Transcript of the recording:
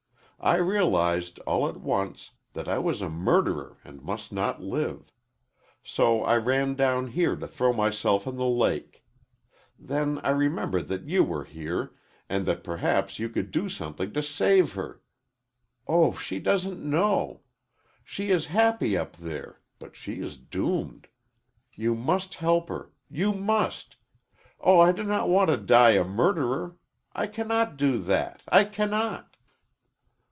I realized, all at once, that I was a murderer and must not live. So I ran down here to throw myself in the lake. Then I remembered that you were here, and that perhaps you could do something to save her. Oh, she doesn't know! She is happy up there, but she is doomed. You must help her! You must! Oh, I do not want to die a murderer! I cannot do that I cannot!"